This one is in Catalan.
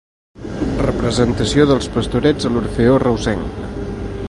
Representació dels Pastorets a l'Orfeó Reusenc.